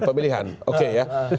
pemilihan oke ya